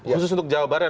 khusus untuk jawabannya